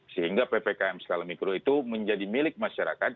sehingga ppkm skala mikro itu menjadi milik masyarakat